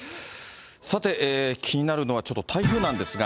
さて、気になるのはちょっと、台風なんですが。